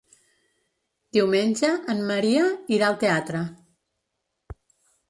Diumenge en Maria irà al teatre.